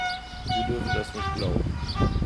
Wir dürfen das nicht glauben.